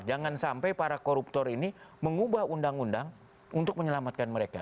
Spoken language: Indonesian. jangan sampai para koruptor ini mengubah undang undang untuk menyelamatkan mereka